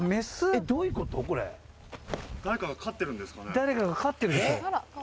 誰かが飼ってるんでしょ。